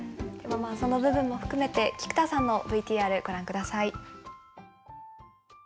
その部分も含めて菊田さんのＶＴＲご覧下さい。